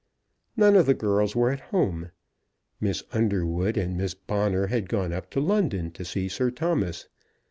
None of the girls were at home. Miss Underwood and Miss Bonner had gone up to London to see Sir Thomas.